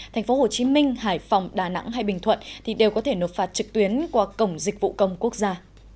thành phố hồ chí minh hải phòng đà nẵng hay bình thuận thì đều có thể nộp phạt trực tuyến qua cổng dịch vụ công quốc gia